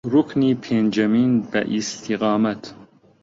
ڕوکنی پێنجەمین بە ئیستیقامەت